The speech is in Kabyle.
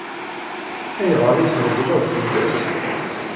Ayɣer i treggel fell-as?